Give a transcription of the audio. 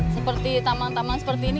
seperti taman taman seperti ini